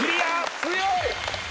強い！